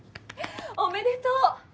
おめでとう！